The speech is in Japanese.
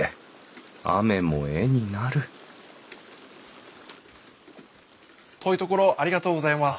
雨も絵になる遠いところありがとうございます。